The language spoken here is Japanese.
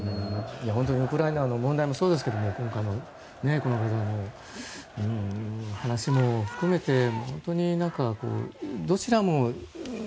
本当にウクライナの問題もそうですけど今回の話も含めて本当にどちらも。